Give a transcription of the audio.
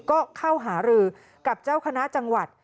ก็เข้าหารือกับเจ้าคณะจังหวัด